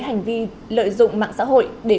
hành vi lợi dụng mạng xã hội để